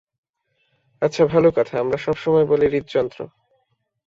আচ্ছা ভালো কথা, আমরা সবসময় বলি হৃদযন্ত্র।